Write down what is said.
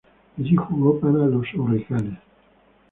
Allí jugó para los Hurricanes.